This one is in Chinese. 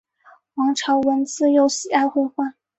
王朝闻自幼喜爱绘画。